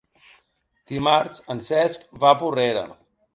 Dimarts en Cesc va a Porrera.